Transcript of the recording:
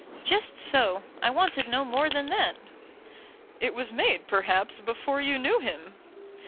"Just so. I wanted no more than that." "It was made, perhaps, before you knew him."